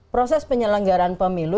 proses penyelenggaran pemilu